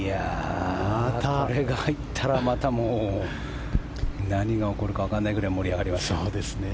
これが入ったらもう何が起こるかわからないぐらい盛り上がりますね。